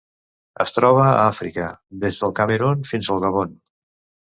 Es troba a Àfrica: des del Camerun fins al Gabon.